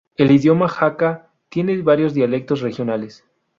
El idioma hakka tiene varios dialectos regionales.